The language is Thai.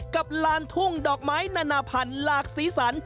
กับลานทุ่งดอกไม้นานาพันธ์หลากศีรษร